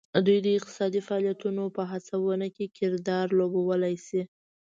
دوی د اقتصادي فعالیتونو په هڅونه کې کردار لوبولی شي